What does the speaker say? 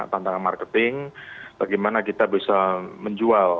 tantangan marketing bagaimana kita bisa menjual